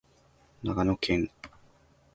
長野県坂城町